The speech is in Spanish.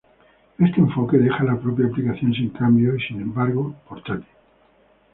Este enfoque deja la propia aplicación sin cambios y, sin embargo, portátil.